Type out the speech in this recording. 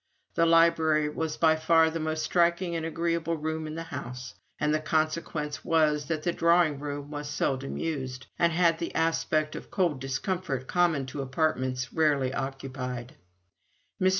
The library was by far the most striking and agreeable room in the house; and the consequence was that the drawing room was seldom used, and had the aspect of cold discomfort common to apartments rarely occupied. Mr.